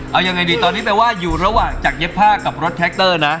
เอายังไงดีตอนนี้แปลว่าอยู่ระหว่างจากเย็บผ้ากับรถแท็กเตอร์นะ